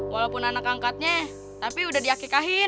walaupun anak angkatnya tapi udah diakikain